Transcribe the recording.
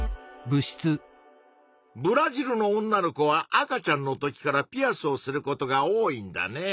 ブラジルの女の子は赤ちゃんの時からピアスをすることが多いんだね。